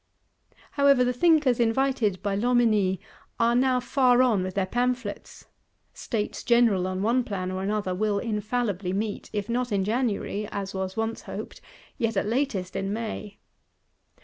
However, the thinkers invited by Loménie are now far on with their pamphlets: States General, on one plan or another, will infallibly meet; if not in January, as was once hoped, yet at latest in May.